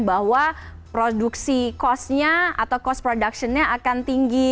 bahwa produksi cost nya atau cost production nya akan tinggi